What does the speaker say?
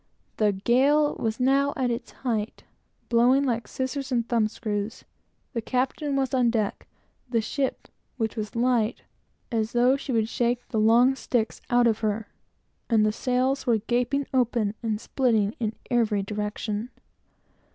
The gale was now at its height, "blowing like scissors and thumb screws;" the captain was on deck; the ship, which was light, rolling and pitching as though she would shake the long sticks out of her; and the sail gaping open and splitting, in every direction.